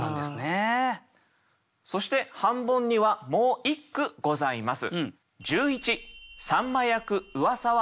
そして半ボンにはもう一句ございます。